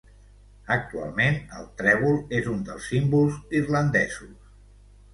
Actualment el trèvol és un dels símbols irlandesos.